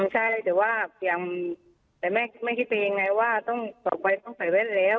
ใช่แต่ว่าเพียงแต่แม่ไม่คิดไปยังไงว่าต้องออกไปต้องใส่แว่นแล้ว